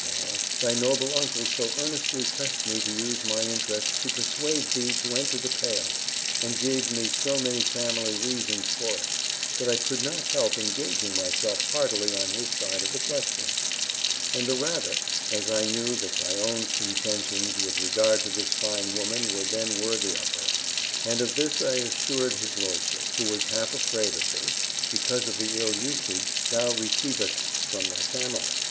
Hall, thy noble uncle so earnestly pressed me to use my interest to persuade thee to enter the pale, and gave me so many family reasons for it, that I could not help engaging myself heartily on his side of the question; and the rather, as I knew that thy own intentions with regard to this fine woman were then worthy of her. And of this I assured his Lordship; who was half afraid of thee, because of the ill usage thou receivedst from her family.